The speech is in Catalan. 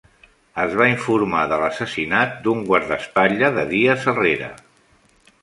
Es va informar de l'assassinat d'un guardaespatlles de Díaz Herrera.